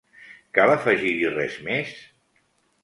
Cal afegir-hi res més?